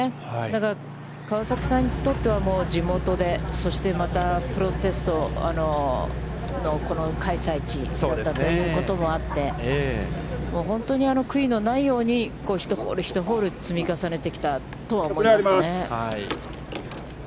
だから、川崎さんにとっては、地元で、そしてまた、プロテストの開催地だったということもあって、本当に悔いのないように１ホール、１ホール、積み重ねてきたとは思いますね。